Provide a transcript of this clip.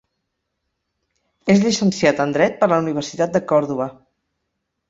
És llicenciat en Dret per la Universitat de Còrdova.